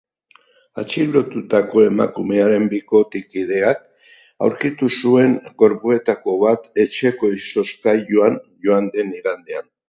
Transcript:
Atxilotutako emakumearen bikotekideak aurkitu zuen gorpuetako bat etxeko izozkailuan, joan den igandean.